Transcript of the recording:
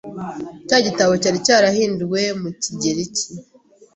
cya gitabo cyari cyarahinduwe mu kigereki